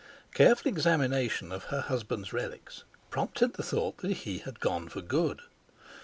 Careful examination of her husband's relics prompted the thought that he had gone for good.